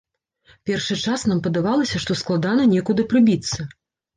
Першы час нам падавалася, што складана некуды прыбіцца.